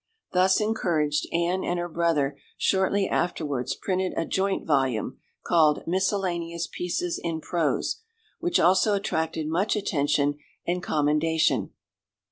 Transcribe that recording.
Thus encouraged, Anne and her brother shortly afterwards printed a joint volume, called Miscellaneous Pieces in Prose, which also attracted much attention and commendation.